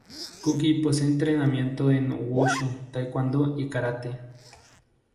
Cooke posee entrenamiento en Wushu, Tae Kwon Do y Karate.